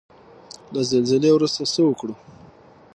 له زلزلې وروسته څه وکړو؟